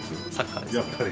やっぱり。